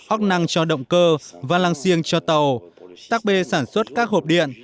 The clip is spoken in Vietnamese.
oc năng cho động cơ valang sieng cho tàu takbe sản xuất các hộp điện